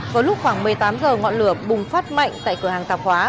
vào lúc khoảng một mươi tám h ngọn lửa bùng phát mạnh tại cửa hàng tạp hóa